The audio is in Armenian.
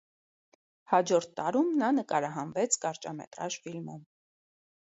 Հաջորդ տարում նա նկարահանվեց կարճամետրաժ ֆիլմում։